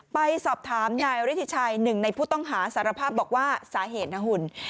ไปสอบถามยายฤทธิชัย๑ในผู้ต้องหาสารภาพบอกว่าสาเหตุหน้าหุ่น